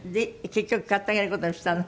結局買ってあげる事にしたの？